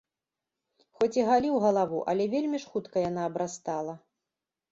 Хоць і галіў галаву, але вельмі ж хутка яна абрастала.